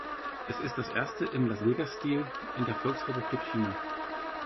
Es ist das erste im Las-Vegas-Stil in der Volksrepublik China.